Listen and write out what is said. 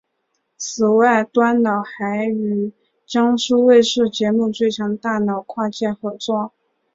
此外端脑还与江苏卫视节目最强大脑跨界合作。